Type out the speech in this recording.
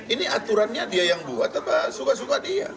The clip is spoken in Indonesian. ini aturannya dia yang buat apa suka suka dia